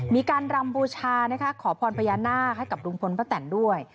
มีการรำบูชานะคะขอพรพญานาคให้กับลุงพลป้าแต่นด้วย